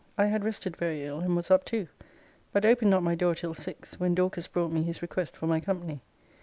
I had rested very ill, and was up too. But opened not my door till six: when Dorcas brought me his request for my company.